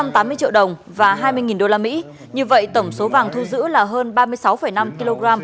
tám mươi triệu đồng và hai mươi usd như vậy tổng số vàng thu giữ là hơn ba mươi sáu năm kg